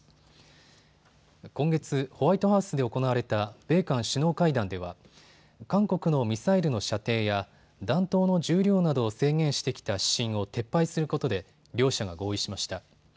今月、ホワイトハウスで行われた米韓首脳会談では韓国のミサイルの射程や弾頭の重量などを制限してきた指針を撤廃することで両者が合意しました。